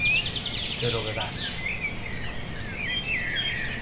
Pero verás.